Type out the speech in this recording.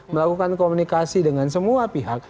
melakukan komunikasi dengan semua pihak